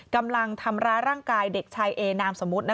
กำลังทำร้ายร่างกายเด็กชายเอนามสมมุติ